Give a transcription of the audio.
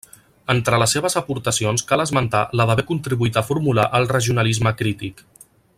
Entre les seves aportacions cal esmentar la d'haver contribuït a formular el regionalisme crític.